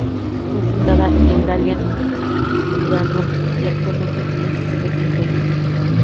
Fue fundada en Dalian, Liaoning y actualmente tiene su sede en Pekín.